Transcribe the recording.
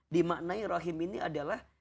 dimaknai rahim ini adalah